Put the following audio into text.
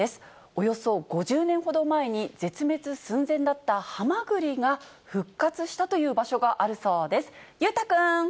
およそ５０年ほど前に絶滅寸前だったはまぐりが、復活したという場所があるそうです。